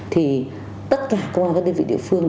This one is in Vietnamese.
thì tất cả các đơn vị địa phương